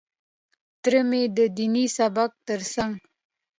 تره مې د ديني سبق تر څنګ.